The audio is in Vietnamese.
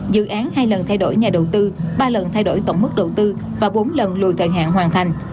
dự án hai lần thay đổi nhà đầu tư ba lần thay đổi tổng mức đầu tư và bốn lần lùi thời hạn hoàn thành